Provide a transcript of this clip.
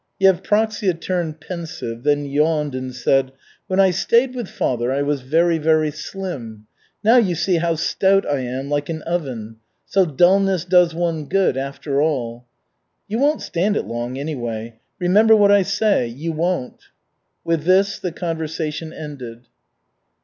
Yevpraksia turned pensive, then yawned and said: "When I stayed with father I was very, very slim. Now, you see how stout I am, like an oven. So dullness does one good, after all." "You won't stand it long, anyway. Remember what I say you won't." With this the conversation ended.